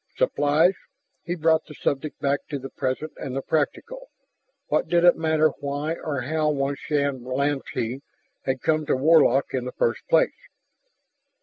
"Supplies?" He brought the subject back to the present and the practical. What did it matter why or how one Shann Lantee had come to Warlock in the first place?